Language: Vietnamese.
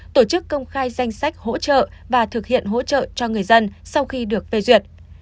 tổ chức công khai danh sách hỗ trợ và thực hiện hỗ trợ cho người dân sau khi được phê duyệt